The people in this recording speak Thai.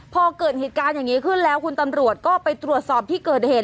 พอเกิดเหตุการณ์อย่างนี้ขึ้นแล้วคุณตำรวจก็ไปตรวจสอบที่เกิดเหตุ